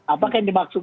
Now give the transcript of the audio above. apakah yang dimaksud